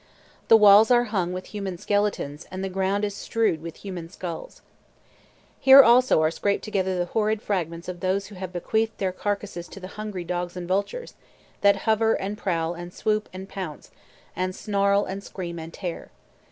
The walls are hung with human skeletons and the ground is strewed with human skulls. Here also are scraped together the horrid fragments of those who have bequeathed their carcasses to the hungry dogs and vultures, that hover, and prowl, and swoop, and pounce, and snarl, and scream, and tear.